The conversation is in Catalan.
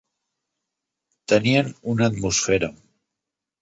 Tenien una atmosfera.